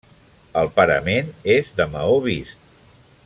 El parament és de maó vist.